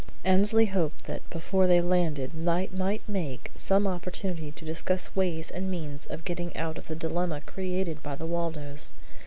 Annesley hoped that, before they landed, Knight might make some opportunity to discuss ways and means of getting out of the dilemma created by the Waldos.